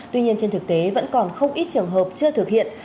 tuy nhiên trên thực tế vẫn còn không ít trường hợp chưa thực hiện